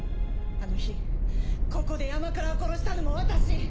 あの日ここで山倉を殺したのも私！